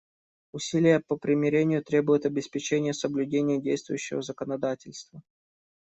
Усилия по примирению требуют обеспечения соблюдения действующего законодательства.